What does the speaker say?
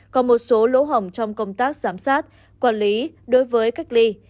còn một số lỗ hồng trong công tác giám sát quản lý đối với cách ly